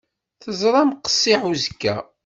Teẓram qessiḥ uzekka.